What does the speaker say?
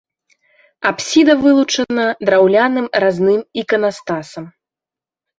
Апсіда вылучана драўляным разным іканастасам.